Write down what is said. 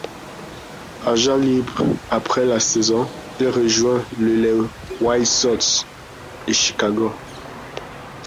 Agent libre après la saison, il rejoint le les White Sox de Chicago.